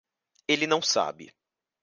Ele não sabe